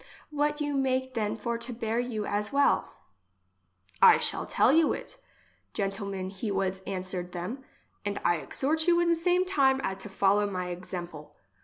What you make then for to bear you as well ?— I shall tell you it, gentlemen he was an swered them, and I exhort you in same time at to follow my exemple.